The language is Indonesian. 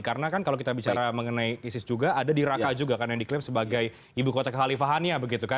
karena kan kalau kita bicara mengenai isis juga ada di raqqa juga kan yang diklaim sebagai ibu kota kehalifahannya begitu kan